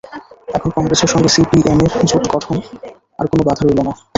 এখন কংগ্রেসের সঙ্গে সিপিএমের জোট গঠনে আর কোনো বাধা রইল না।